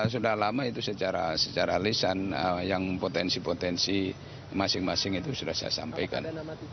sudah lama itu secara lisan yang potensi potensi masing masing itu sudah saya sampaikan